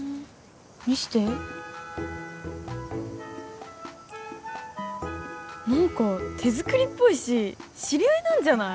見せて何か手作りっぽいし知り合いなんじゃない？